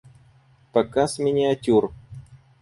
Показ миниатюр